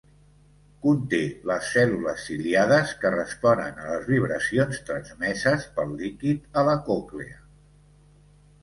Conté les cèl·lules ciliades que responen a les vibracions transmeses pel líquid a la còclea.